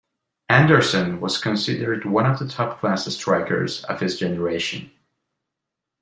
Andersson was considered one of the top-class strikers of his generation.